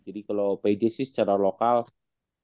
jadi kalau pijc sih secara lokal kayaknya udah kebacalah